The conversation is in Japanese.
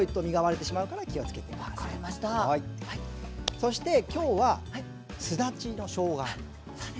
そしてきょうはすだちのしょうがあん。